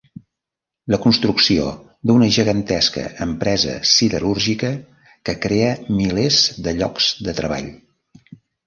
La construcció d'una gegantesca empresa siderúrgica que crea milers de llocs de treball.